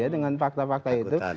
dengan fakta fakta itu